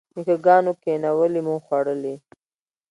نیکه ګانو کینولي موږ خوړلي.